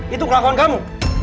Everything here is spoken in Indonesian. itu kelakuan kamu